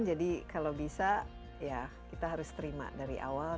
jadi kalau bisa ya kita harus terima dari awal